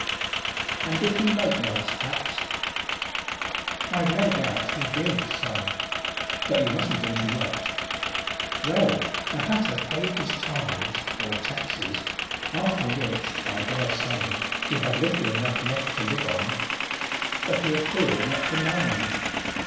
"And did he make nice hats?" "I've no doubt he did, Son. But you mustn't interrupt. Well, the hatter paid his tithes, or taxes, after which, I dare say, he had little enough left to live on. But he appeared not to mind.